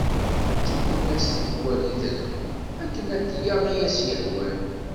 Ttaken-as tikwal idrem akken ad yaɣ i as-yehwan.